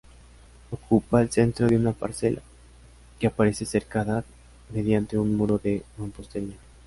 Ocupa el centro de una parcela, que aparece cercada mediante un muro de mampostería.